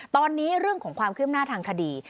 ตอนนี้เรื่องของความคืบหน้าทางคดี